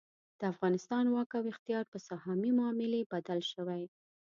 د افغانستان واک او اختیار په سهامي معاملې بدل شوی.